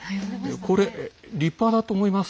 これ、立派だと思います。